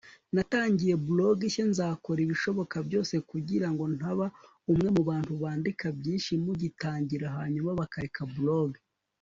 natangiye blog nshya. nzakora ibishoboka byose kugirango ntaba umwe mubantu bandika byinshi mugitangira hanyuma bakareka blog